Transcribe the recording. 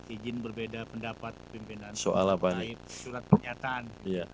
ijin berbeda pendapat pimpinan soal mengait surat pernyataan